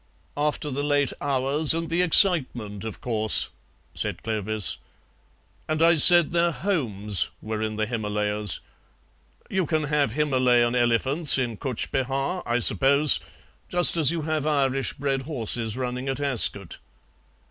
"After the late hours and the excitement, of course," said Clovis; "and I said their HOMES were in the Himalayas. You can have Himalayan elephants in Cutch Behar, I suppose, just as you have Irish bred horses running at Ascot."